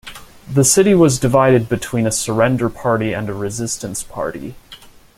The city was divided between a surrender party and a resistance party.